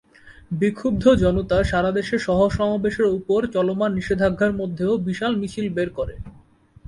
বিক্ষুব্ধ জনতা সারা দেশে সভা সমাবেশের উপর চলমান নিষেধাজ্ঞার মধ্যেও বিশাল মিছিল বের করে।